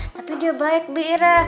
tapi dia baik bira